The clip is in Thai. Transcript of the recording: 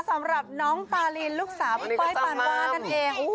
สำหรับน้องปาลินลูกสาวพี่เป้ยปานบ้านั่นเอง